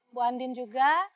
ibu andin juga